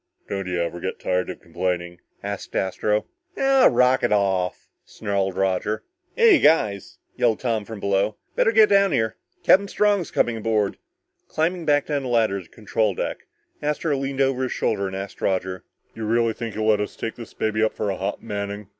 "Don't you ever get tired of complaining?" asked Astro. "Ah rocket off," snarled Roger. "Hey, you guys," yelled Tom from below, "better get down here! Captain Strong's coming aboard." Climbing back down the ladder to the control deck, Astro leaned over his shoulder and asked Roger, "Do you really think he'll let us take this baby up for a hop, Manning?"